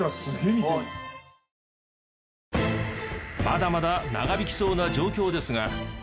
まだまだ長引きそうな状況ですが。